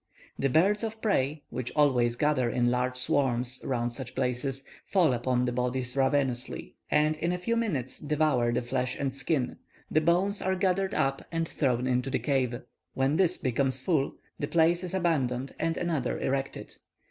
The birds of prey, which always gather in large swarms round such places, fall upon the bodies ravenously, and in a few minutes devour the flesh and skin; the bones are gathered up and thrown into the cave. When this becomes full, the place is abandoned and another erected.